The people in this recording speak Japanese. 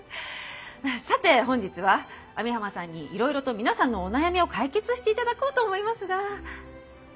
さて本日は網浜さんにいろいろと皆さんのお悩みを解決して頂こうと思いますが。